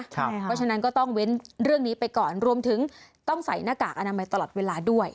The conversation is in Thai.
เพราะฉะนั้นก็ต้องเว้นเรื่องนี้ไปก่อนรวมถึงต้องใส่หน้ากากอนามัยตลอดเวลาด้วย